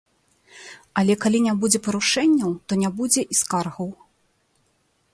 Але калі не будзе парушэнняў, то не будзе і скаргаў.